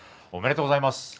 おめでとうございます。